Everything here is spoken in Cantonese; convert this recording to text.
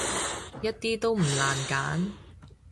一啲都唔難揀